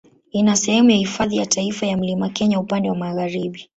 Ina sehemu ya Hifadhi ya Taifa ya Mlima Kenya upande wa magharibi.